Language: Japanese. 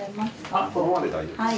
あっこのままで大丈夫です。